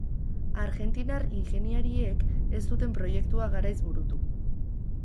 Argentinar ingeniariek ez zuten proiektua garaiz burutu.